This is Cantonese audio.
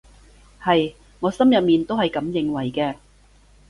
係，我心入面都係噉認為嘅